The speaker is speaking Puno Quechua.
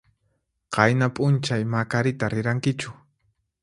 Qayna p'unchay Macarita rirankichu?